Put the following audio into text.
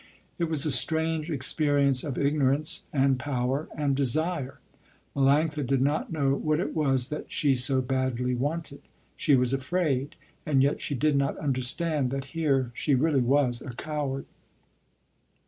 It was a strange experience of ignorance and power and desire. Melanctha did not know what it was that she so badly wanted. She was afraid, and yet she did not understand that here she really was a coward.